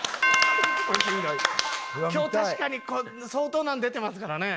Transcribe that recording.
今日確かに相当なの出てますからね。